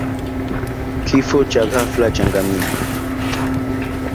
Kifo cha ghafla cha ngamia